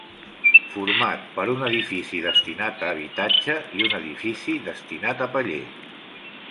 Format per un edifici destinat a habitatge i un edifici destinat a paller.